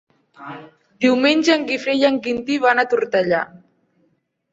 Diumenge en Guifré i en Quintí van a Tortellà.